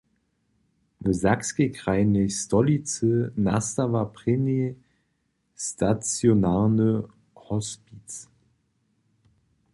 W sakskej krajnej stolicy nastawa prěni stacionarny hospic.